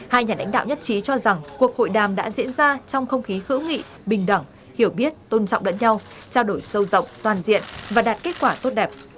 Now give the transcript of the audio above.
hai nhà lãnh đạo nhất trí cho rằng cuộc hội đàm đã diễn ra trong không khí hữu nghị bình đẳng hiểu biết tôn trọng lẫn nhau trao đổi sâu rộng toàn diện và đạt kết quả tốt đẹp